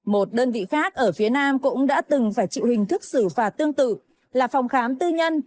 một đơn vị khác ở phía nam cũng đã từng phải chịu hình thức xử phạt tương tự là phòng khám tư nhân